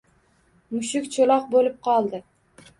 Mushuk cho‘loq bo‘lib qoldi.